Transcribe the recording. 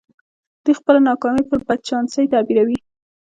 دوی خپله ناکامي پر بد چانسۍ تعبيروي.